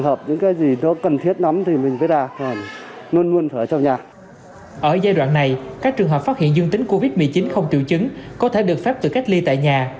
ở giai đoạn này các trường hợp phát hiện dương tính covid một mươi chín không triệu chứng có thể được phép tự cách ly tại nhà